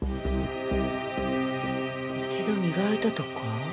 一度磨いたとか？